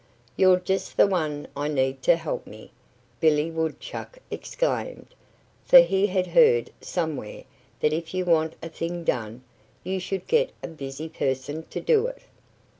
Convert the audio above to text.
"You're just the one I need to help me!" Billy Woodchuck exclaimed, for he had heard somewhere that if you want a thing done, you should get a busy person to do it.